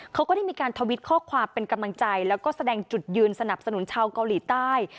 เขาก็ได้มีการทวิตข้อความเป็นกำลังใจแล้วก็แสดงจุดยืนสนับสนุนชาวเกาหลีใต้